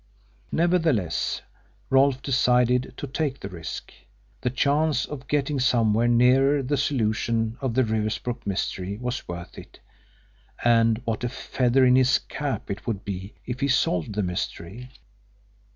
Nevertheless, Rolfe decided to take the risk. The chance of getting somewhere nearer the solution of the Riversbrook mystery was worth it, and what a feather in his cap it would be if he solved the mystery!